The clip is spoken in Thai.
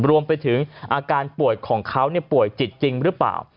รวมไปถึงอาการป่วยของเขาป่วยจิตจริงหรือเปล่า